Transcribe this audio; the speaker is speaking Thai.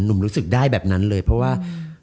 รู้สึกได้แบบนั้นเลยเพราะว่า